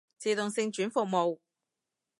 自動性轉服務